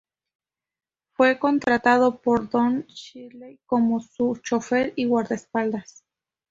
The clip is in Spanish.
Fue contratado por Don Shirley como su chofer y guardaespaldas.